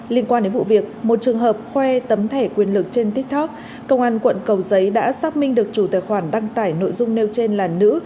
liên quan đến vụ việc một trường hợp khoe tấm thẻ quyền lực trên tiktok công an quận cầu giấy đã xác minh được chủ tài khoản đăng tải nội dung nêu trên là nữ